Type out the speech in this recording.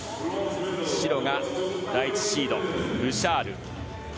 白が第１シード、ブシャール。